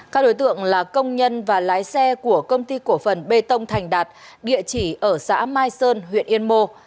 các đối tượng là công nhân và lái xe của công ty cổ phần bê tông thành đạt địa chỉ ở xã mai sơn huyện yên mô